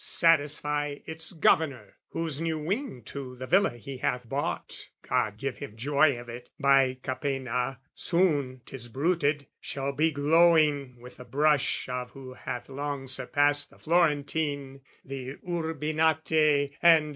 satisfy its Governor, Whose new wing to the villa he hath bought (God give him joy of it) by Capena, soon ('Tis bruited) shall be glowing with the brush Of who hath long surpassed the Florentine, The Urbinate and...